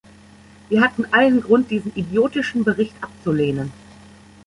Wir hatten allen Grund, diesen idiotischen Bericht abzulehnen.